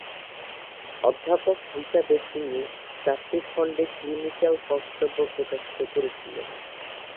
অধ্যাপক হিসাবে তিনি চারটি খণ্ডে ক্লিনিক্যাল বক্তব্য প্রকাশিত করেছিলেন।